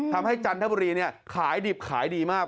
ทำให้จันทบุรีนี่ขายดิบขายดีมาก